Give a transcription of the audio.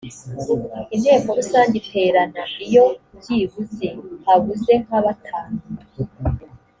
inteko rusange iterana iyo byibuze habuze nka batanu